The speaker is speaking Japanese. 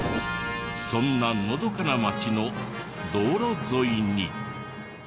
そんなのどかな町の道路沿いに。